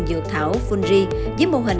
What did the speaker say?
dược thảo fungri với mô hình